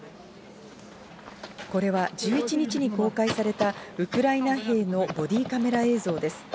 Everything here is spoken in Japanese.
これは１１日に公開された、ウクライナ兵のボディーカメラ映像です。